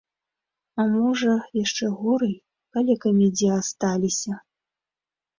А можа, яшчэ горай, калекамі дзе асталіся!